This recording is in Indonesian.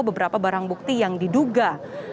beberapa barang bukti yang diduga